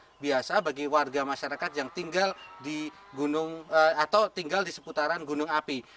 dan itu adalah hal yang harus dilakukan oleh warga masyarakat yang tinggal di gunung atau tinggal di seputaran gunung api